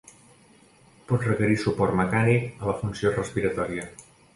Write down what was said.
Pot requerir suport mecànic a la funció respiratòria.